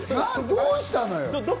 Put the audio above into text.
どうしたのよ？